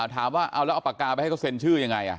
ถามว่าเอาแล้วเอาปากกาไปให้เขาเซ็นชื่อยังไง